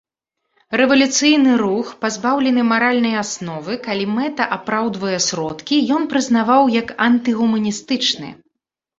Рэвалюцыйны рух, пазбаўлены маральнай асновы, калі мэта апраўдвае сродкі, ён прызнаваў як антыгуманістычны.